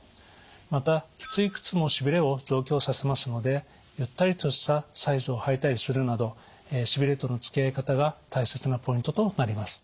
またきつい靴もしびれを増強させますのでゆったりとしたサイズを履いたりするなどしびれとのつきあい方が大切なポイントとなります。